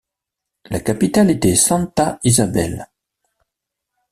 La capitale était Santa Isabel.